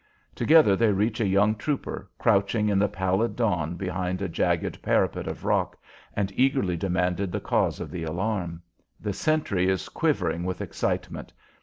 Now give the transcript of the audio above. Together they reach a young trooper, crouching in the pallid dawn behind a jagged parapet of rock, and eagerly demanded the cause of the alarm. The sentry is quivering with excitement.